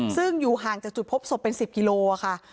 ซึ่งอยู่ห่างจากจุดพบศพเป็น๑๐กิโลค่ะ